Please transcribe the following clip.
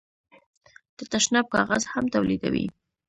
د تشناب کاغذ هم تولیدوي.